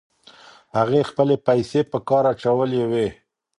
هغې خپلې پیسې په کار اچولې وې.